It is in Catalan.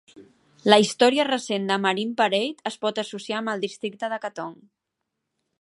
La historia recent de Marine Parade es pot associar amb el districte de Katong.